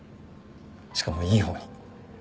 しかもいいほうに。